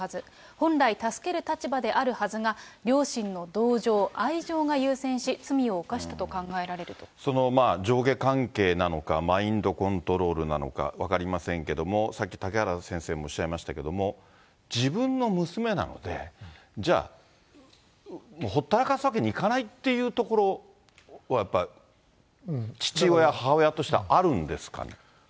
本来、助ける立場であるはずが、両親の同情、愛情が優先し、その上下関係なのか、マインドコントロールなのか分かりませんけども、さっき嵩原先生もおっしゃいましたけど、自分の娘なので、じゃあ、ほったらかすわけにいかないというところは、やっぱ父親、母親としてはあるんですかね。